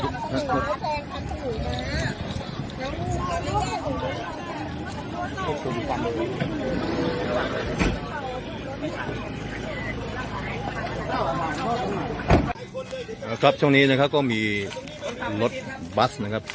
ตรงนี้นะครับช่วงนี้นะครับก็มีรถบัตรนะครับ